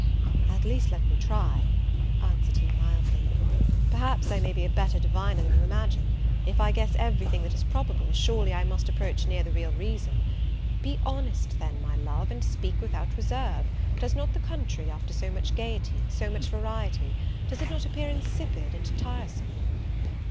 "At least let me try," answered he, mildly; "perhaps I may be a better diviner than you imagine: if I guess every thing that is probable, surely I must approach near the real reason. Be honest, then, my love, and speak without reserve; does not the country, after so much gaiety, so much variety, does it not appear insipid and tiresome?"